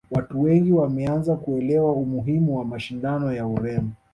watu wengi wameanza kuelewa umuhimu wa mashindano ya urembo